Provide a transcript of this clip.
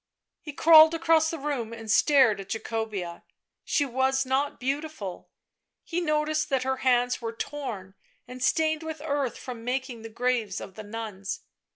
He crawled across the room and stared at Jacobea. She was not beautiful; he noticed that her hands were torn and stained with earth from making the graves of the nuns